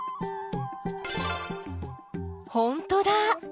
ほんとだ！